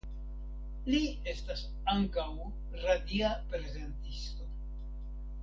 Li estas ankaŭ radia prezentisto.